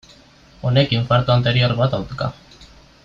Honek infarto anterior bat dauka.